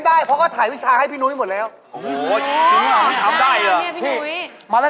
แล้วบอกว่าลูกชอบดูราคานี้